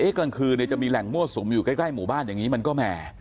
กลางคืนจะมีแหล่งมั่วสุมอยู่ใกล้หมู่บ้านอย่างนี้มันก็แหม